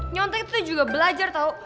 nyontek itu juga belajar tau